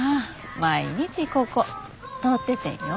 毎日ここ通っててんよ。